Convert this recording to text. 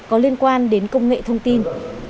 có liên quan đến công nghệ thông tin